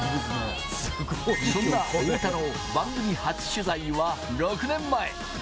そんな太田の番組初取材は６年前。